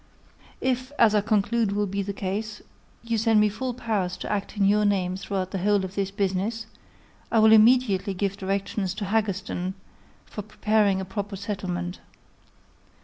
If, as I conclude will be the case, you send me full powers to act in your name throughout the whole of this business, I will immediately give directions to Haggerston for preparing a proper settlement.